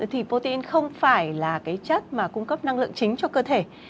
thì potin không phải là cái chất mà cung cấp năng lượng chính cho cơ thể